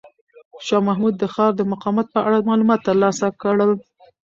شاه محمود د ښار د مقاومت په اړه معلومات ترلاسه کړل.